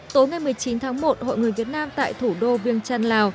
tối ngày một mươi chín tháng một hội người việt nam tại thủ đô vương trang